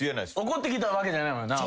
怒ってきたわけじゃないもんな。